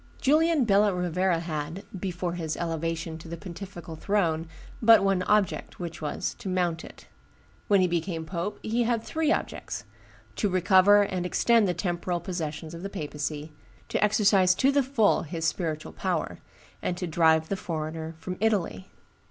Julian Bella Rovera had, before his elevation to the pontifical throne, but one object, which was, to mount it. When he became pope, he had three objects: to recover and extend the temporal possessions of the papacy, to exercise to the full his spiritual power, and to drive the foreigner from Italy.